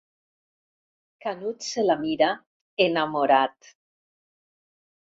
Canut se la mira, enamorat.